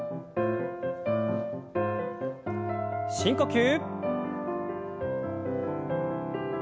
深呼吸。